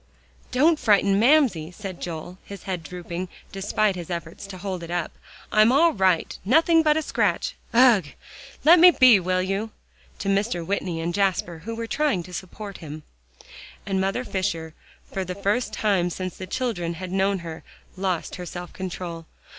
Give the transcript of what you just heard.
"Don't frighten Mamsie," said Joel, his head drooping, despite his efforts to hold it up. "I'm all right; nothing but a scratch. Ugh! let me be, will you?" to Mr. Whitney and Jasper, who were trying to support him. And Mother Fisher, for the first time since the children had known her, lost her self control.